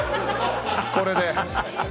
⁉これで。